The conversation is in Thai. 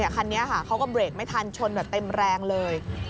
คันนี้เขาก็เบรกไม่ทันชนแบบเต็มแรงเลย